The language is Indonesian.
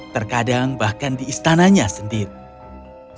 terkadang bahkan di istananya sendiri